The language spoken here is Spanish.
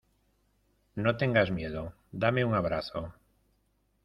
no tengas miedo, dame un abrazo.